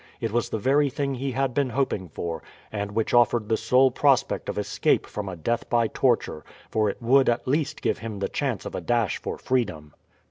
It was the very thing he had been hoping for, and which offered the sole prospect of escape from a death by torture, for it would at least give him the chance of a dash for freedom.